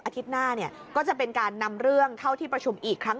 อาทิตย์หน้าก็จะเป็นการนำเรื่องเข้าที่ประชุมอีกครั้ง